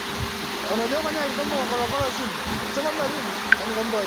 Ningeomba wazazi wote waje huku mbele.